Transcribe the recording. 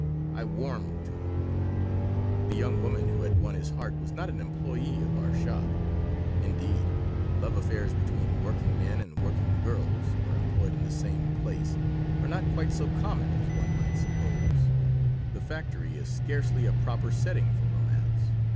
I warmed to him. The young woman who had won his heart was not an employee of our shop. Indeed, love affairs between working men and working girls who are employed in the same place are not quite so common as one might suppose. The factory is scarcely a proper setting for romance.